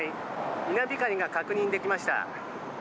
稲光が確認できました。